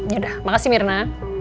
yaudah makasih mirna